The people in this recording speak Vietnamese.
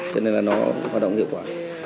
cho nên là nó hoạt động hiệu quả